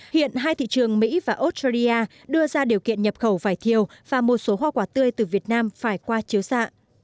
hiện hai thị trường mỹ và australia đưa ra điều kiện nhập khẩu vải thiều và một số hoa quả tươi từ việt nam phải qua chiếu xạ